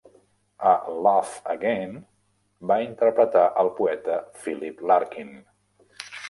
A "Love Again", va interpretar el poeta Philip Larkin.